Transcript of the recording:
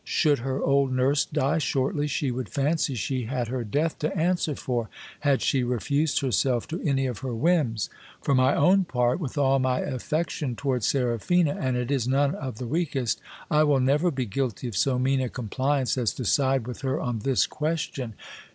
Should her old nurse die shortly, she would fancy she had her death to answer for, had she refused herself to any of her whims. For my own part, with all my affection towards Seraphina, and it is none of the weakest, I will never be guilty of so mean a compliance as to side with her on this question.